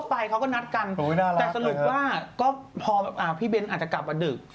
ไปเขาก็นัดกันแต่สรุปว่าก็พอพี่เบ้นอาจจะกลับมาดึก